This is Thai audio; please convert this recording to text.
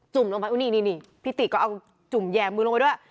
ุ่มลงไปนี่พี่ติก็เอาจุ่มแยมมือลงไปด้วย